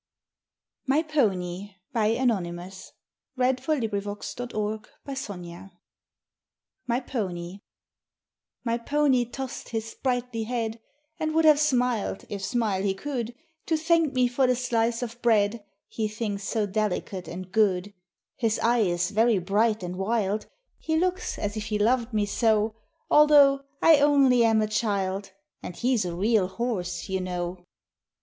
rs."_ Henry Wadsworth Longfellow. HIAWATHA'S BROTHERS My Pony My pony toss'd his sprightly head, And would have smiled, if smile he could, To thank me for the slice of bread He thinks so delicate and good; His eye is very bright and wild, He looks as if he loved me so, Although I only am a child And he's a real horse, you know.